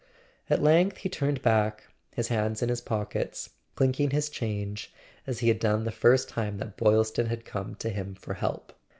At length he turned back, his hands in his pockets, clinking his change as he had done the first time that Boylston had come to him for help.